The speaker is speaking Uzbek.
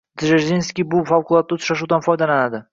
Dzerjinskiy bu favqulodda uchrashuvdan foydalanadi.